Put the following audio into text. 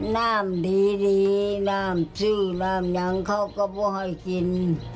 น้ำดีน้ำซื่อน้ำยังเขาก็บอกให้กิน